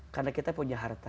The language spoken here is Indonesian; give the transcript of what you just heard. karena kita punya harta